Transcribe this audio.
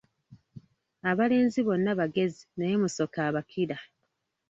Abalenzi bonna bagezi, naye Musoke abakira.